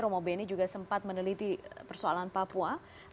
romo beni juga sempat meneliti persoalan papua